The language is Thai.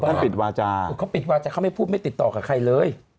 เขาปิดวันแต่เขาไม่พูดไม่ติดต่อกับใครเลย